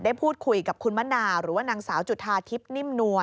ได้พูดคุยกับคุณมะนาวหรือว่านางสาวจุธาทิพย์นิ่มนัว